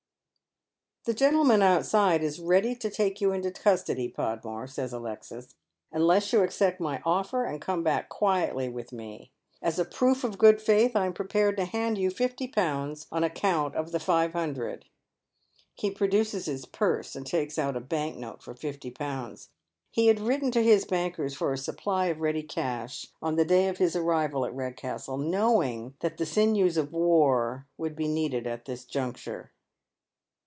" The gentleman outside is ready to "lake you into custody, Podmore," says Alexis, " unless you accept my oft'er and come back quietly with me. As a proof of good faith, I am prepared to hand you fifty pounds, on account of the five hundred." Cbmmifted for TriaX 367 He producea his purse and takes out a bank not© for fifty pounds. He had written to his bankers for a supply of ready cash on the day of his arrival at Kedcastle, knowing that the finews of war would be needed at this juncture.